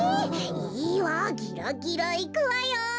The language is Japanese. いいわギラギラいくわよ！